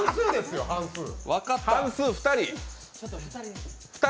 半数、２人。